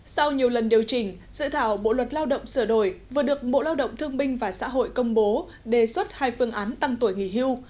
sau nhiều lần điều chỉnh dự thảo bộ luật lao động sửa đổi vừa được bộ lao động thương minh và xã hội công bố đề xuất hai phương án tăng tuổi nghỉ hưu